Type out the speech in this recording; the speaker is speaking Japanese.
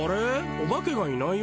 おばけがいないよ。